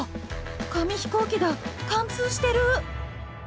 紙飛行機が貫通してる！